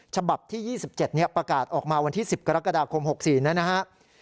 ฉบับที่๒๗ประกาศออกมาวันที่๑๐กรกฎาคม๖๔นะครับ